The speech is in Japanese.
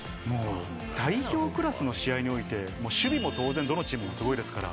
代表クラスの試合において守備も当然、どのチームもすごいですから。